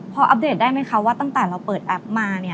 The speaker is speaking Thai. พออัปเดตได้ไหมคะว่าตั้งแต่เราเปิดแอปมา